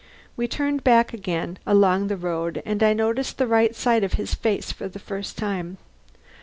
We turned back again along the road, and I noticed the right side of his face for the first time.